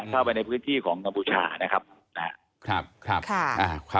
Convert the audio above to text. เข้าไปในพื้นที่ของกัมพูชานะครับ